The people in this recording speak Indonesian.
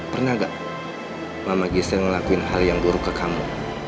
pernah gak mama gisel ngelakuin hal yang buruk ke kamu